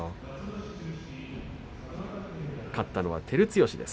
勝ったのは照強です。